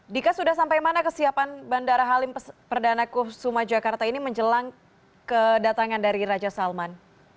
dika sudah sampai mana kesiapan bandara halim perdana kusuma jakarta ini menjelang kedatangan dari raja salman